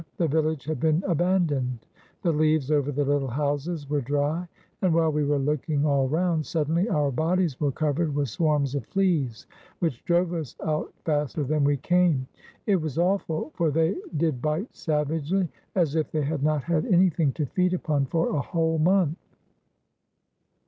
The village had been abandoned. The leaves over the httle houses were dry, and, while we were looking all round, suddenly our bodies were covered with swarms of fleas, which drove us out faster than we came. It was awful, for they did bite savagely, as if they had not had anything to feed upon for a whole month.